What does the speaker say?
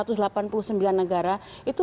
itu untuk mempunyai konsen yang besar